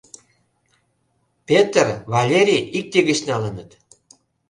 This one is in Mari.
Петр, Валерий икте гыч налыныт.